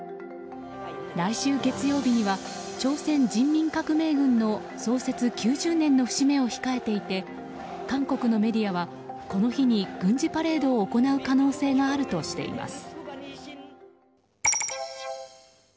来週月曜日には朝鮮人民革命軍の創設９０年の節目を控えていて韓国のメディアはこの日に軍事パレードを行う可能性があるとしています。